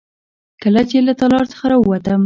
کله چې له تالار څخه راووتم.